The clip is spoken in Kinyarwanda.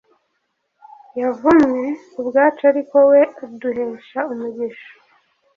Yavumwe kubwacu ariko we aduhesha umugisha